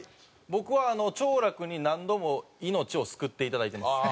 僕は兆楽に何度も命を救っていただいてます。